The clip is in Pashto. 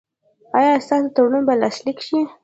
ایا ستاسو تړون به لاسلیک شي؟